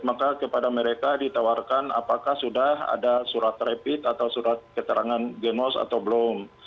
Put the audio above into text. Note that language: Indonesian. maka kepada mereka ditawarkan apakah sudah ada surat rapid atau surat keterangan genos atau belum